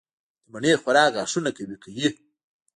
د مڼې خوراک غاښونه قوي کوي.